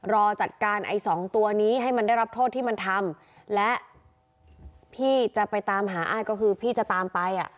รอจัดการไอ้สองตัวนี้ให้มันได้รับโทษที่มันทำและพี่จะไปตามหาอ้ายก็คือพี่จะตามไปอ่ะ